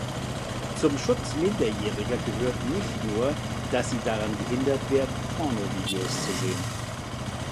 Zum Schutz Minderjähriger gehört nicht nur, dass sie daran gehindert werden, Pornovideos zu sehen.